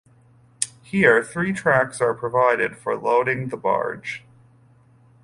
Here, three tracks are provided for loading the barge.